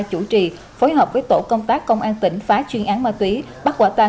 chủ trì phối hợp với tổ công tác công an tỉnh phá chuyên án ma túy bắt quả tan